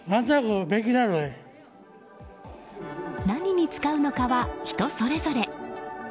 何に使うのかは人それぞれ。